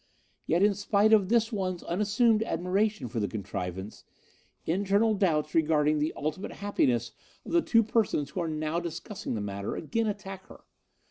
'Yet, in spite of this one's unassumed admiration for the contrivance, internal doubts regarding the ultimate happiness of the two persons who are now discussing the matter again attack her.